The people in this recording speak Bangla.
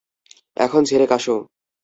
এখন ঝেড়ে কাশো।